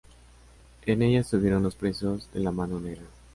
En ella estuvieron los presos de la Mano Negra.